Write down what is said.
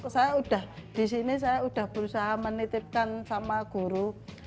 saya udah disini saya udah berusaha menitipkan sama guru